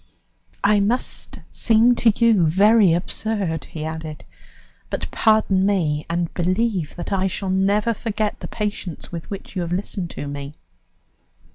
"I must seem to you very absurd," he added, "but pardon me, and believe that I shall never forget the patience with which you have listened to me."